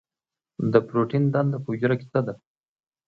د پروټین دنده په حجره کې څه ده؟